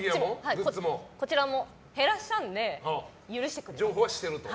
こちらも減らしたので許してくれと。